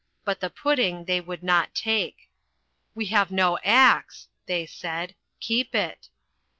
But the pudding they would not take. "We have no axe," they said. "Keep it."